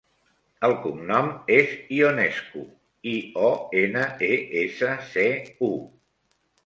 El cognom és Ionescu: i, o, ena, e, essa, ce, u.